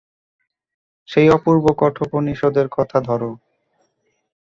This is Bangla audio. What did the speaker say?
সেই অপূর্ব কঠোপনিষদের কথা ধর।